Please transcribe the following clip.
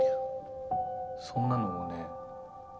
そんなのをね